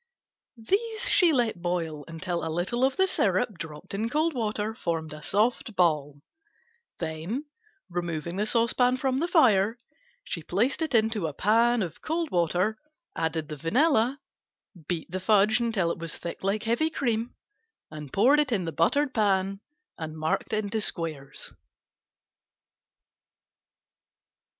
These she let boil until a little of the syrup dropped in cold water formed a soft ball, then removing the saucepan from the fire, she placed it in a pan of cold water, added the vanilla, beat the fudge until it was thick like heavy cream, and poured it in the buttered pan and marked in squares.